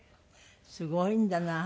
すごいんだな。